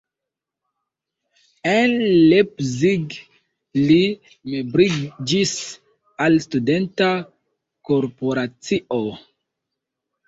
En Leipzig li membriĝis al studenta korporacio.